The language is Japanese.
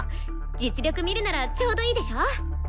実力見るならちょうどいいでしょ？